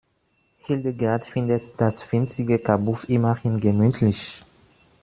Hildegard findet das winzige Kabuff immerhin gemütlich.